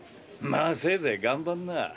まあせいぜい頑張んな。